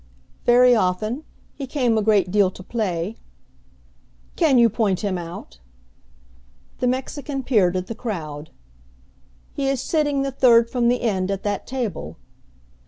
"Very often. He came a great deal to play." "Can you point him out?" The Mexican peered at the crowd. "He is sitting the third from the end at that table."